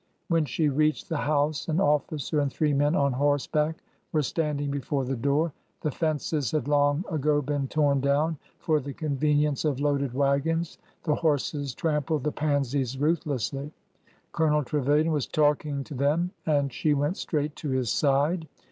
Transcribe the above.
When she reached the house an officer and three men on horseback were standing before the door. The fences had long ago been torn down for the convenience of loaded wagons. The horses trampled the pansies ruth lessly. Colonel Trevilian was talking to them, and she went straight to his side.